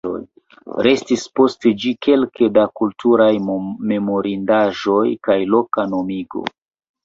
Restis post ĝi kelke da kulturaj memorindaĵoj kaj loka nomigo.